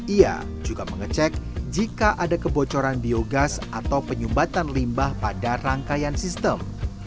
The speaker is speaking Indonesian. ia juga mengecek jika ada kebocoran biogas atau penyumbatan limbah pada rangkaian sistem